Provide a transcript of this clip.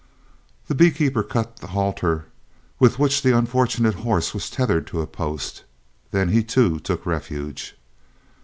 The bee keeper cut the halter with which the unfortunate horse was tethered to a post, then he too took refuge.